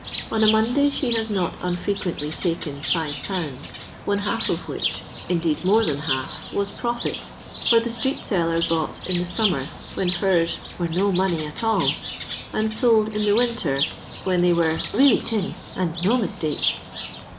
On a Monday she has not unfrequently Hkca 8/., obe half of which, indeed more than half, was profit, for the street seller bought in the summer, when furs '' were no money at all," and sold in the winter, when they " were renlly tin, and no mistake."